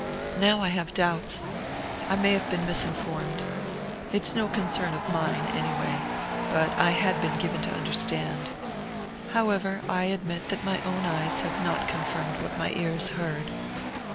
"'Now I have doubts. I may have been misinformed. It's no concern of mine, anyway; but I had been given to understand. However, I admit that my own eyes have not confirmed what my ears heard.'